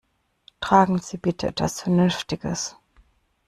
Tragen Sie bitte etwas Vernünftiges!